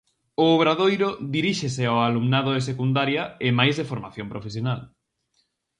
O obradoiro diríxese ao alumnado de Secundaria e mais de Formación Profesional.